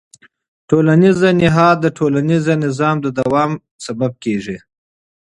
ټولنیز نهاد د ټولنیز نظم د دوام لامل کېږي.